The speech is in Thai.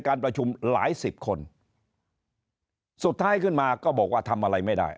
การประชุมหลายสิบคนสุดท้ายขึ้นมาก็บอกว่าทำอะไรไม่ได้